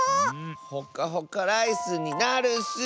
ほかほかライスになるッス。